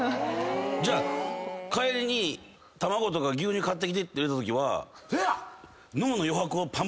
じゃあ帰りに卵とか牛乳買ってきてって言われたときは。